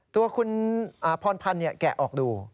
ตัวคุณพรพันธ์แกะออกดู